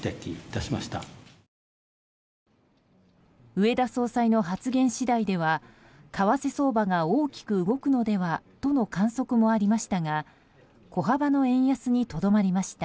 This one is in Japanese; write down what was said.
植田総裁の発言次第では為替相場が大きく動くのではとの観測もありましたが小幅の円安にとどまりました。